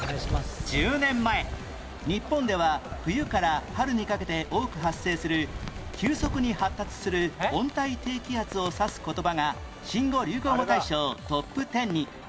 １０年前日本では冬から春にかけて多く発生する急速に発達する温帯低気圧を指す言葉が新語・流行語大賞トップ１０に